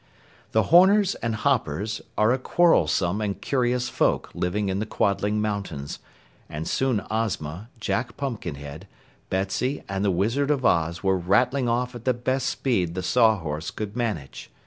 The Horners and Hoppers are a quarrelsome and curious folk living in the Quadling mountains, and soon Ozma, Jack Pumpkinhead, Betsy and the Wizard of Oz were rattling off at the best speed the Sawhorse could manage.